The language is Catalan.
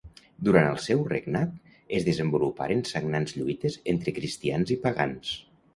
Durant el seu regnat es desenvoluparen sagnants lluites entre cristians i pagans.